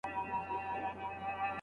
هله به مړ شمه چې ستا له شينکي خاله وځم